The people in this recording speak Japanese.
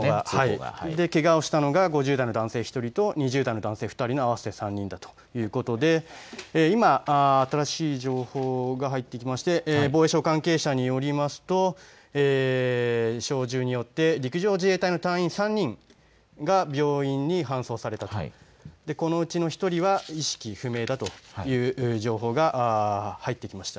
９時１５分にけがをしたのは５０代の男性１人と２０代の男性２人の合わせて３人だということで今、新しい情報が入ってきまして防衛省関係者によりますと小銃によって陸上自衛隊の隊員３人が病院に搬送されたと、このうちの１人は意識不明だという情報が入ってきました。